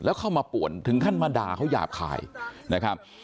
แล้วเข้ามาป่วนถึงขั้นมาด่าเขาหยาบคายนะครับ